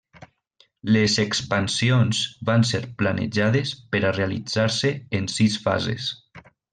Les expansions van ser planejades per a realitzar-se en sis fases.